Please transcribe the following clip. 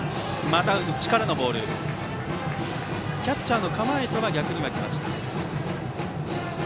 今のボールはキャッチャーの構えとは逆に行きました。